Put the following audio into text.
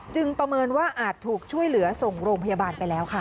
ประเมินว่าอาจถูกช่วยเหลือส่งโรงพยาบาลไปแล้วค่ะ